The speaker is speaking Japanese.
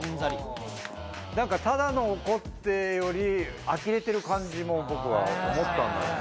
何かただの怒ってよりあきれてる感じも僕は思ったんだよな。